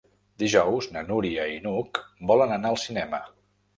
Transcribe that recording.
Dijous na Núria i n'Hug volen anar al cinema.